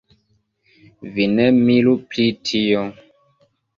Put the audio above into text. Vi ne miru pri tio.